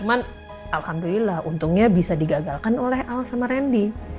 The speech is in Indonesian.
alhamdulillah untungnya bisa digagalkan oleh el sama randy